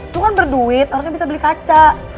lo kan berduit harusnya bisa beli kaca